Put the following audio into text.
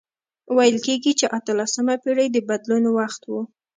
ویل کیږي چې اتلسمه پېړۍ د بدلون وخت و.